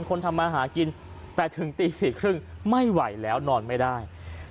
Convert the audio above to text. ทำมาหากินแต่ถึงตี๔๓๐ไม่ไหวแล้วนอนไม่ได้